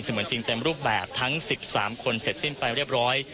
เหมือนจริงเต็มรูปแบบทั้ง๑๓คนเสร็จสิ้นไปเรียบร้อย